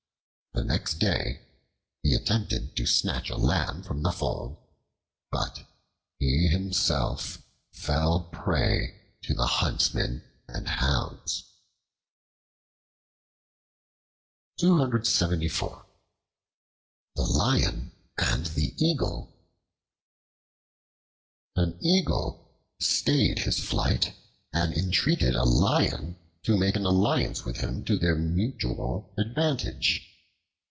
The next day he attempted to snatch a lamb from the fold, but he himself fell prey to the huntsmen and hounds. The Lion and the Eagle AN EAGLE stayed his flight and entreated a Lion to make an alliance with him to their mutual advantage.